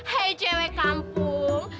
hei cewek kampung